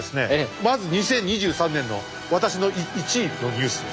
まず２０２３年の私の１位のニュースです。